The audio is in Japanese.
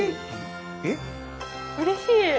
うれしい。